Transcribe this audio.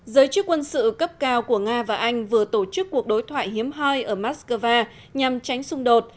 giới chức quân sự cấp cao của nga và anh vừa tổ chức cuộc đối thoại hiếm hoi ở moscow nhằm tránh xung đột